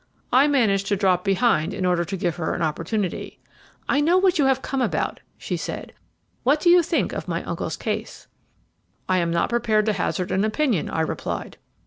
"I managed to drop behind in order to give her an opportunity. "'I know what you have come about,' she said. 'What do you think of my uncle's case?' "'I am not prepared to hazard an opinion,' I replied.